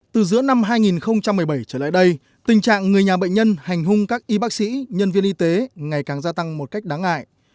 từ giữa năm hai nghìn một mươi bảy trở lại đây tình trạng người nhà bệnh nhân hành hung các y bác sĩ nhân viên y tế ngày càng gia tăng một cách đáng ngại